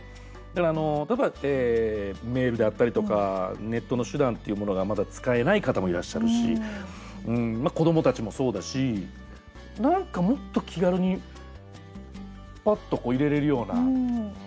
だから例えばメールであったりとかネットの手段というものがまだ使えない方もいらっしゃるし子どもたちもそうだしなんかもっと気軽にぱっと入れられるような。